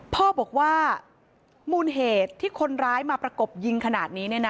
พ่อบอกว่ามูลเหตุที่คนร้ายมาประกบยิงขนาดนี้